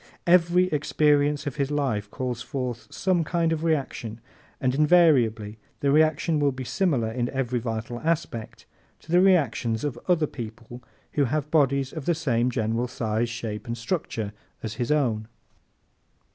Every experience of his life calls forth some kind of reaction and invariably the reaction will be similar, in every vital respect, to the reactions of other people who have bodies of the same general size, shape and structure as his own.